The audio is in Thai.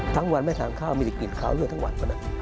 ทั้งวันไม่ทางเข้ามีหรือกลิ่นขาวที่เลื่อนทั้งวัน